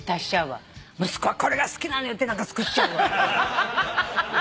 息子はこれが好きなのよって何か作っちゃうわ。